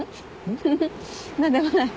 フフ何でもない。